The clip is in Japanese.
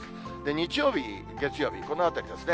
日曜日、月曜日、このあたりですね。